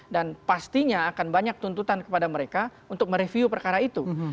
dan pastinya akan banyak tuntutan kepada mereka untuk mereview perkara itu